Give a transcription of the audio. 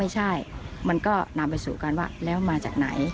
ไม่ใช่มันก็นำไปสู่การว่าแล้วมาจากไหน